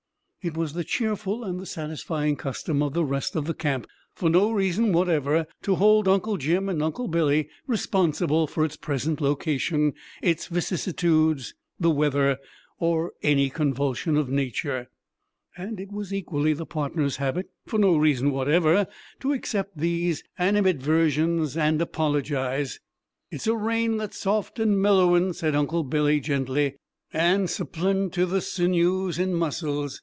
It was the cheerful and the satisfying custom of the rest of the camp, for no reason whatever, to hold Uncle Jim and Uncle Billy responsible for its present location, its vicissitudes, the weather, or any convulsion of nature; and it was equally the partners' habit, for no reason whatever, to accept these animadversions and apologize. "It's a rain that's soft and mellowin'," said Uncle Billy gently, "and supplin' to the sinews and muscles.